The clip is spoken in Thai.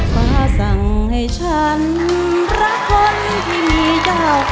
ร้องได้ให้ร้าง